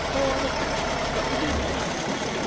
Poor The present, but we do the best we can!